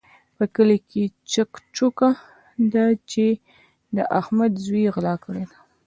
په کلي کې چک چوکه ده چې د احمد زوی غلا کړې ده.